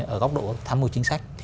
ở góc độ tham mục chính sách